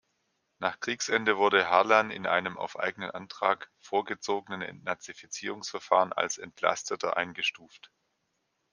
Nach Kriegsende wurde Harlan in einem auf eigenen Antrag vorgezogenen Entnazifizierungsverfahren als „Entlasteter“ eingestuft.